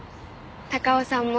高尾さんも。